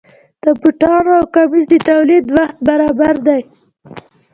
د بوټانو او کمیس د تولید وخت برابر دی.